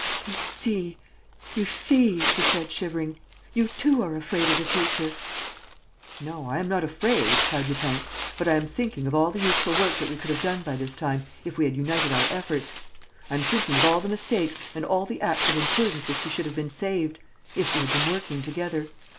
"You see, you see," she said, shivering, "you too are afraid of the future!" "No, I am not afraid," cried Lupin. "But I am thinking of all the useful work that we could have done by this time, if we had united our efforts. I am thinking of all the mistakes and all the acts of imprudence which we should have been saved, if we had been working together.